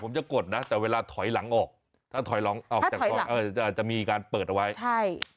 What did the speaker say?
ผมก็จะกดแต่เวลาถอยหลังออกจะมีการเปิดแล้วไว้